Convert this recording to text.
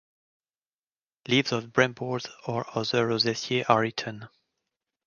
Leaves of bramble or other Rosaceae are eaten.